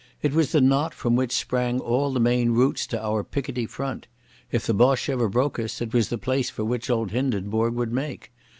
It was the knot from which sprang all the main routes to our Picardy front. If the Boche ever broke us, it was the place for which old Hindenburg would make.